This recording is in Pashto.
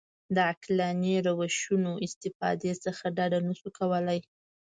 د عقلاني روشونو استفادې څخه ډډه نه شو کولای.